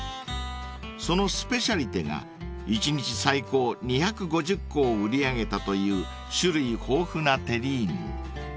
［そのスペシャリテが一日最高２５０個を売り上げたという種類豊富なテリーヌ］